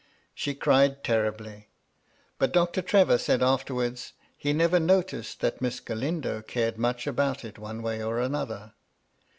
She cried terribly ; but Doctor Trevor said afterwards, he never noticed that Miss Galindo cared mudb about it one way or another.